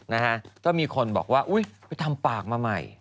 นะฮะก็มีคนบอกว่าอุ๊ยไปทำปากมาใหม่